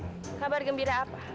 kabar gembira apa